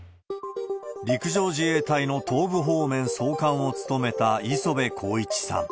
陸上自衛隊の東部方面総監を務めた磯部晃一さん。